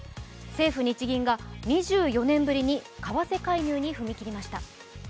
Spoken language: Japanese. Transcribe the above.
政府・日銀が２４年ぶりに為替介入に踏み切りました。